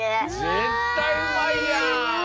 ぜったいうまいやん！